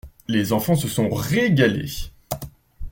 Les enfants se sont régalés.